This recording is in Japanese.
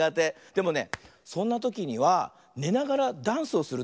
でもねそんなときにはねながらダンスをするとおきられるんだよ。